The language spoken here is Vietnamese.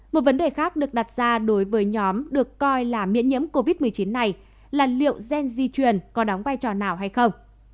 một vấn đề khác được đặt ra đối với nhóm được coi là miễn nhiễm covid một mươi chín này là liệu gen di truyền có đóng vai trò nào hay không